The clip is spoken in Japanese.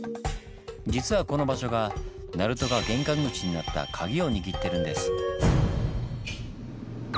実はこの場所が鳴門が玄関口になったカギを握ってるんです。